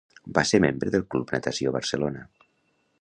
Va ser membre del Club Natació Barcelona.